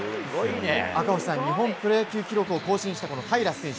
赤星さん日本プロ野球記録を更新した平良選手